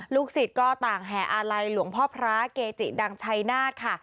ศิษย์ก็ต่างแห่อาลัยหลวงพ่อพระเกจิดังชัยนาธค่ะ